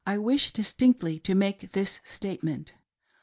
369 / wish distinctly to make this statement.